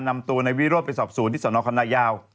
นำตัวนายวิโรธไปสอบสวนที่สนคณะยาว